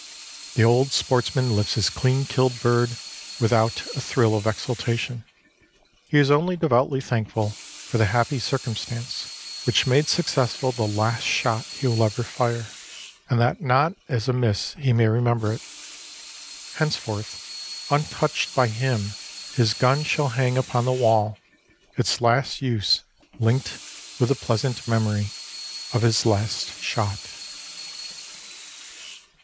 The old sportsman lifts his clean killed bird without a thrill of exultation he is only devoutly thankful for the happy circumstance which made successful the last shot he will ever fire, and that not as a miss he may remember it. Henceforth untouched by him his gun shall hang upon the wall, its last use linked with the pleasant memory of his last shot.